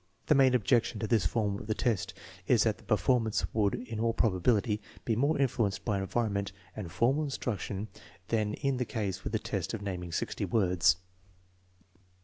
The main ob jection to this form of the test is that the performance would in all probability be more influenced by environment and formal instruction than is the case with the test of naming sixty words.